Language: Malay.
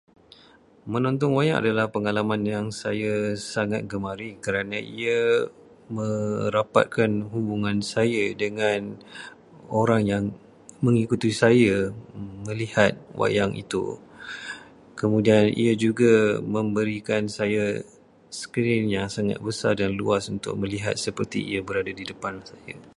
Menonton wayang adalah pengalaman yang saya sangat gemari kerana ia merapatkan hubungan saya dengan orang yang mengikuti saya melihat wayang itu. Kemudian, ia juga memberikan saya skrin yang sangat besar dan luas untuk melihat seperti ia berada di depan saya.